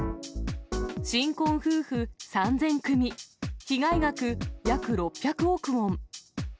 新婚夫婦３０００組、被害額約６００億ウォン。